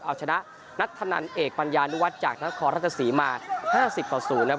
เอาชนะนัทธนันเอกปัญญานุวัฒน์จากนครราชสีมา๕๐ต่อ๐นะครับ